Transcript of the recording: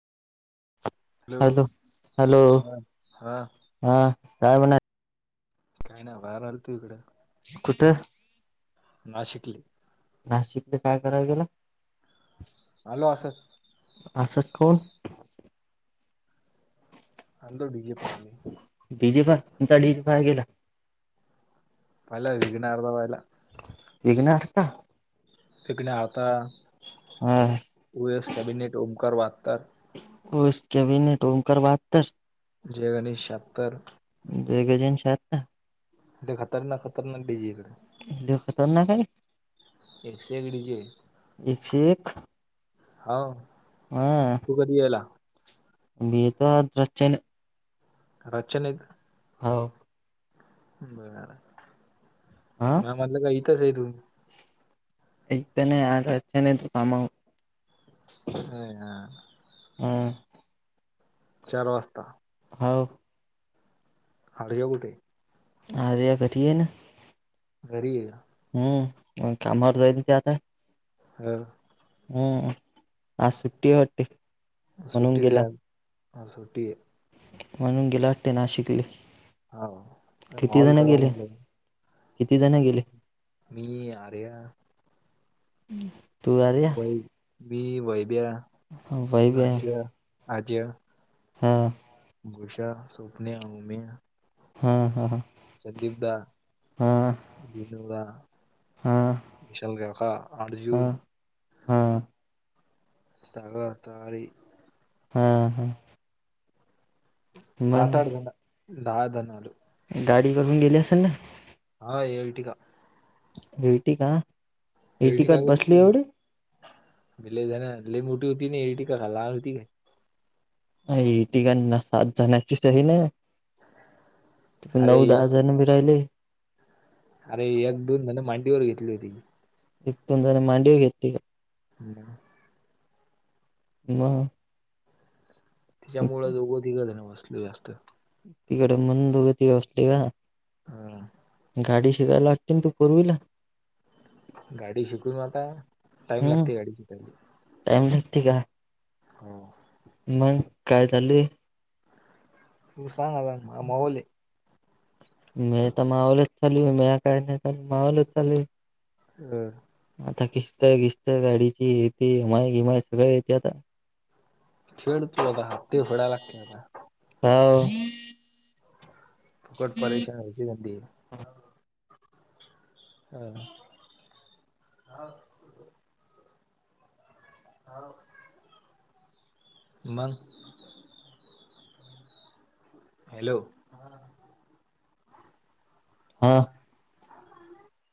Hello hello हा हा हा काय म्हणा. काय नाही बगा बाहेर आलतो इकड. कुठं? नाशिकले. नाशिकले काय करायला गेला? आलो असचं. असं ठोक [unintelligible] डी जी फाय तुमचा डी जी फाय हाय का? आला विघ्नहर्ता व्हायला विघ्नहर्ता [unintelligible] हा ओ एस कॅबिनेट ओंकार बहात्तर. ओ एस कॅबिनेट ओंकार बहात्तर जय गणेश शहात्तर ट्रेगजन्शी आता लई खतरनाक खतरनाक डीजे हायेतं लई खतरनाक आहे, एकशे एक डीजे एकशे एक हाव हा आणि येतात अचानक घरच्यांना एक हो बर आ.. मला वाटलं काय विकत घेतलं एक तर नाही आ येत तर नाही तू कामावर अ है हा [unintelligible] [unintelligible] चार वाजता दहा व खायला जमतय सहा वेळा पाठीवलेलं घरी रहा. ह कारन कामात राहीली ती आता हम हम् आज सुट्टी वर आहे वाटतं होती म्हणून सुट्टीच आहे गेला. आज सुट्टी होती म्हणून गेला वाटतं नाशिकला आहे हा किती माहोल जणं करावं गेलेत, म्हणलं किती जणं गेलेत. ती आर्या हम् लॅबवर मी वैभ्या ह वई बया [unintelligible] आजा, जोश्या, स्वन्या, उम्या हम हम हम संदीप दा [unintelligible] विनुदा हा विशाल काका आठ जन हा हा.. सगळ्यात भारी हा हम ते सात-आठ जण दन एक दहा जण आलो. गाडीकरून गेली असेल ना हो ईरटीका ईर्टीका एर्टिका ईर्टिकात बसले एवढे गेलती लय जण लय मोठी होती का ईर्टीका लहान होती अ ईरटीका म्हणल्यावल सात जण ते सगळीजन ते पण अरे नऊ-दहा एक जण बी राहीलोय अरे एक दिवस मला मांडीवर घेतली होती ती. इथनं जरा मांडिवर येत हा [unintelligible] म. त्याच्यामुळं, दोघं तिघजण बसलो, जास्त. तिकड, म्हणून दोघ-तिघ असतेका? ह. गाडी शिकायला लागते ना, तू फोर व्हिलर? गाडी शिकू ना, आता. टाइम हम्म, लागते गाडी शिकायला ट्राईम बघती का? हो मंग, काय चालूये? हो, सहा ना मावले [unintelligible] मी तर मावले [unintelligible] पण मी काय नाही चाल मावले सगळे [unintelligible] हम्. आता खिस्त खिस्त गाडीची येते हमाई गिमाय सगळ येते आता [unintelligible] फेड तु, आता हाप्ते फेडाय लागते, आता. हाव फुकट परेशान [unintelligible] हं. [unintelligible] [inaudible] [inaudible] मंग? हॅलो? हा. आ.